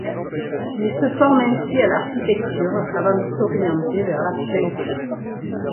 Il se forme ainsi à l'architecture avant de s'orienter vers la peinture.